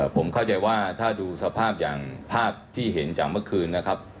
ผมเข้าใจว่าถ้าดูสภาพอย่างภาพที่เห็นจากเมื่อคืนนะครับ